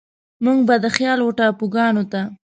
موږ به د خيال و ټاپوګانوته،